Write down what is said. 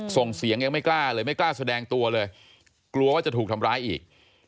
ส่งเสียงยังไม่กล้าเลยไม่กล้าแสดงตัวเลยกลัวว่าจะถูกทำร้ายอีก